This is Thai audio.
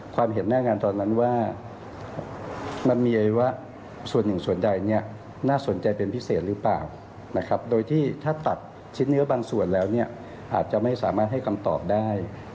ความเห็นหน้างานว่ามันมีอวิวสินว่านี่น่าสนใจเป็นพิเศษโดยถ้าตัดชิ้นเนื้อบางส่วนแล้วอาจจะไม่สามารถให้คำตอบได้